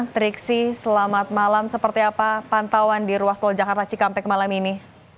triksi selamat malam seperti apa pantauan di ruas tol jakarta cikampek malam ini